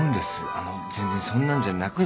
あの全然そんなんじゃなくて。ハハハハ。